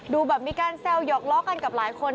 ดูแบบมีการแซวหยอกล้อกันกับหลายคน